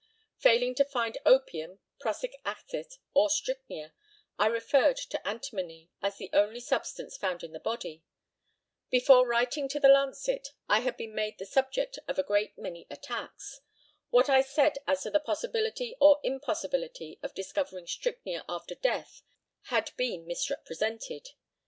Failing to find opium, prussic acid, or strychnia, I referred to antimony, as the only substance found in the body. Before writing to the Lancet, I had been made the subject of a great many attacks. What I said as to the possibility or impossibility of discovering strychnia after death had been misrepresented.